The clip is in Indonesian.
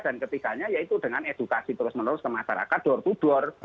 dan ketiganya ya itu dengan edukasi terus menerus ke masyarakat door to door